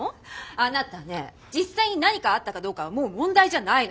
あなたね実際に何かあったかどうかはもう問題じゃないの。